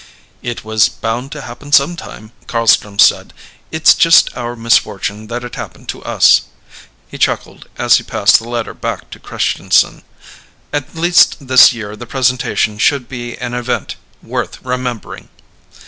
"It was bound to happen sometime," Carlstrom said. "It's just our misfortune that it happened to us." He chuckled as he passed the letter back to Christianson. "At least this year the presentation should be an event worth remembering."